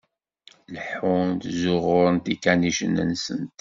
Leḥḥunt, ẓẓuɣuṛent ikanicen-nsent.